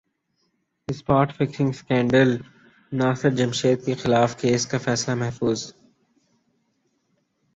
spot fixing اسکینڈلناصر جمشید کیخلاف case کا فیصلہ محفوظ